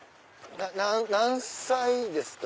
何歳ですか？